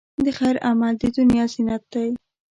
د خیر عمل، د دنیا زینت دی.